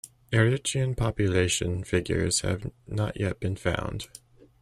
Eritrean population figures have not yet been found.